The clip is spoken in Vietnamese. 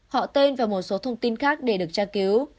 họ tên và một số thông tin khác để được tra cứu